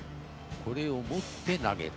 これを持って投げる。